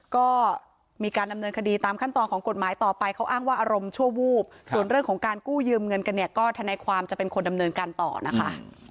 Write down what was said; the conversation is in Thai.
ก็มีการดำเนินคดีตามขั้นตอนของกฎหมายต่อไปเขาอ้างว่าอารมณ์ชั่ววูบส่วนเรื่องของการกู้ยืมเงินกันเนี่ยก็ทนายความจะเป็นคนดำเนินการต่อนะคะ